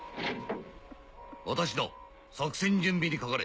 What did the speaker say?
私だ作戦準備にかかれ。